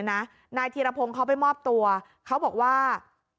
นายธีรพงศ์เขาไปมอบตัวเขาบอกว่า